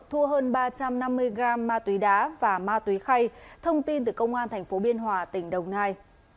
thua hơn ba trăm năm mươi gram ma túy đá và ma túy khay thông tin từ công an tp biên hòa tỉnh đồng nai